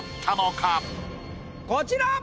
こちら！